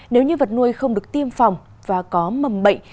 nếu như vật nuôi không được tiêm phòng và có mầm bệnh